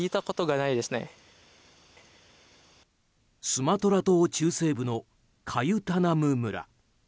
スマトラ島中西部のカユタナム村。